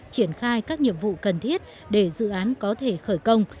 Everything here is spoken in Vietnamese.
triển khai các nhiệm vụ cần thiết để dự án có thể khởi công